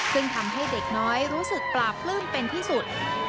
ซึ่งทำให้เด็กน้อยรู้สึกปลาปลื้มเป็นที่สุด